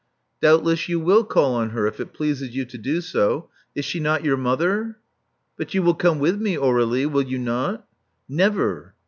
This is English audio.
''Doubtless you will call on her, if it pleases you to do so. Is she not your mother?'* "But you will come with me, Aur^lie, will you not?" "Never.